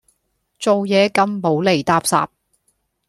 做嘢咁無厘搭霎